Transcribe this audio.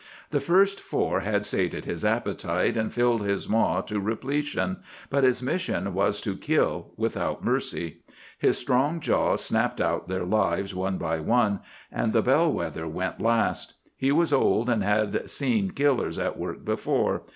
The first four had sated his appetite and filled his maw to repletion, but his mission was to kill without mercy. His strong jaws snapped out their lives one by one, and the bell wether went last. He was old, and had seen killers at work before.